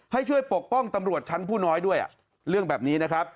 ให้ช่วยปกป้องตำรวจชั้นผู้น้อยด้วยเรื่องแบบนี้นะครับ